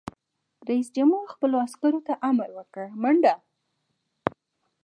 رئیس جمهور خپلو عسکرو ته امر وکړ؛ منډه!